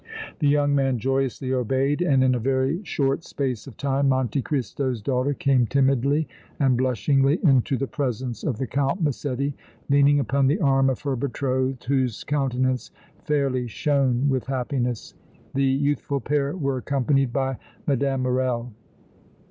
The young man joyously obeyed and in a very short space of time Monte Cristo's daughter came timidly and blushingly into the presence of the Count Massetti, leaning upon the arm of her betrothed, whose countenance fairly shone with happiness. The youthful pair were accompanied by Mme. Morrel.